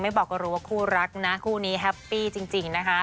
บอกก็รู้ว่าคู่รักนะคู่นี้แฮปปี้จริงนะคะ